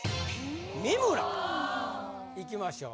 三村いきましょう